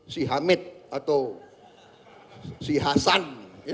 si hamid atau si hasan